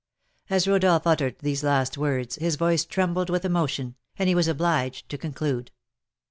As Rodolph uttered these last words his voice trembled with emotion, and he was obliged to conclude.